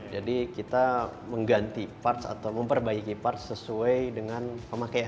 jadi kita mengganti parts atau memperbaiki parts sesuai dengan pemakaian